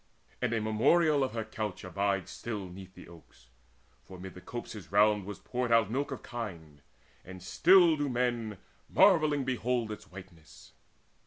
And a memorial of her couch abides Still 'neath the oaks; for mid the copses round Was poured out milk of kine; and still do men Marvelling behold its whiteness.